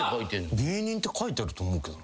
「芸人」って書いてると思うけど。